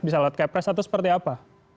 bisa lewat kepres atau seperti apa